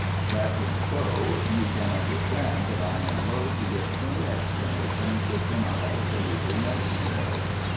That being so, you can understand that I am loth to give any explanations which are not absolutely necessary.